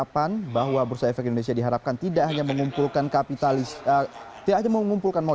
presiden sering agak senang